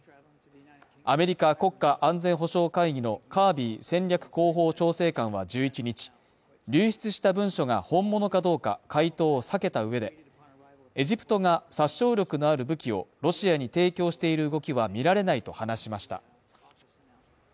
アメリカ国家安全保障会議のカービー戦略広報調整官は１１日流出した文書が本物かどうか、回答を避けた上で、エジプトが殺傷力のある武器をロシアに提供している動きは見られないと話しました。